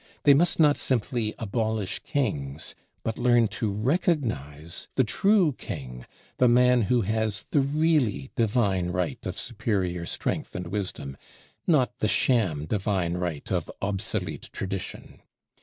They must not simply abolish kings, but learn to recognize the true king, the man who has the really divine right of superior strength and wisdom, not the sham divine right of obsolete tradition.